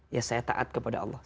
ya saya taat kepada allah